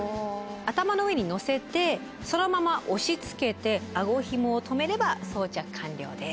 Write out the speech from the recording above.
頭の上に載せてそのまま押しつけて顎ひもを留めれば装着完了です。